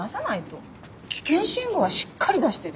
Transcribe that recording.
危険信号はしっかり出してるよ。